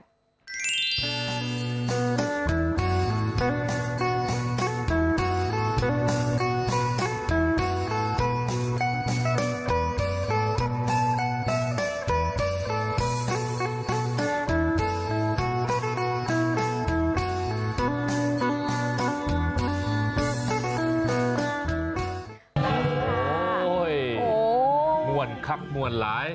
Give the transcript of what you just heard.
สวัสดีค่ะโอ้โหมวลครับมวลหลาย